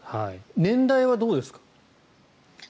年代はどうですか？